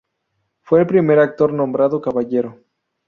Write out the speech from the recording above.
Fue el primer actor nombrado caballero.